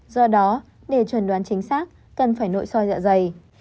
do đó để chuẩn đoán chính xác cần phải nội soi dạ dày